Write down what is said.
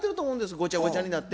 ごちゃごちゃになって。